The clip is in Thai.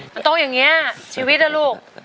มันต้องอย่างนี้ชีวิตนะลูก